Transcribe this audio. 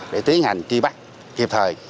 để tiến hành tri bắt kịp thời